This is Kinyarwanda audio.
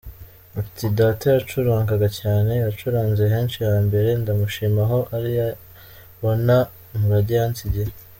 Ati “Data yaracurangaga cyane, yacuranze henshi hambere, ndamushima aho aria bona umurage yansigiye.